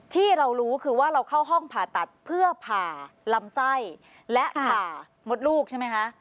ที่เรารู้คือว่าเราเข้าห้องผ่าตัดเพื่อผ่าลำไส้และผ่ามดลูกใช่ไหมคะ